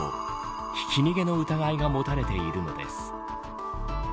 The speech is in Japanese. ひき逃げの疑いが持たれているのです。